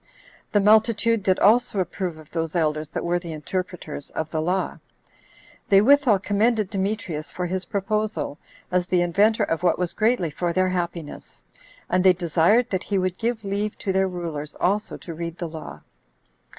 The multitude did also approve of those elders that were the interpreters of the law. They withal commended Demetrius for his proposal, as the inventor of what was greatly for their happiness; and they desired that he would give leave to their rulers also to read the law.